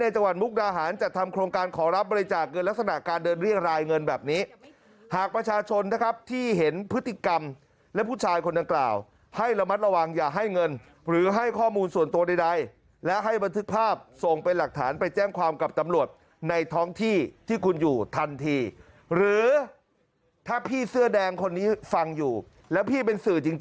จังหวัดมุกดาหารจัดทำโครงการขอรับบริจาคเงินลักษณะการเดินเรียกรายเงินแบบนี้หากประชาชนนะครับที่เห็นพฤติกรรมและผู้ชายคนดังกล่าวให้ระมัดระวังอย่าให้เงินหรือให้ข้อมูลส่วนตัวใดและให้บันทึกภาพส่งไปหลักฐานไปแจ้งความกับตำรวจในท้องที่ที่คุณอยู่ทันทีหรือถ้าพี่เสื้อแดงคนนี้ฟังอยู่แล้วพี่เป็นสื่อจริง